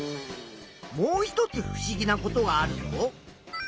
もう一つふしぎなことがあるぞ。